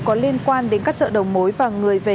có liên quan đến các chợ đầu mối và người về